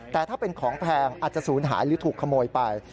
แต่ถ้าเป็นของแพงอาจจะศูนย์หายหรือถูกขโมยไป